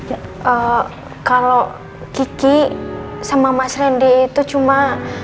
ya kalau kiki sama mas randy itu cuma